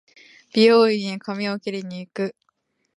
美容院へ髪を切りに行く